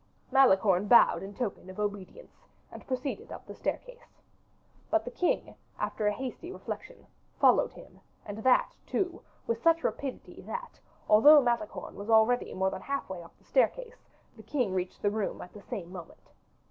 Malicorne bowed in token of obedience, and proceeded up the staircase. But the king, after a hasty reflection, followed him, and that, too, with such rapidity, that, although Malicorne was already more than half way up the staircase, the king reached the room at the same moment.